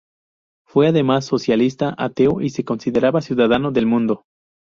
Fue además socialista, ateo y se consideraba ciudadano del mundo.